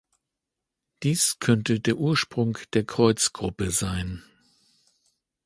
Dies könnte der Ursprung der Kreutz-Gruppe sein.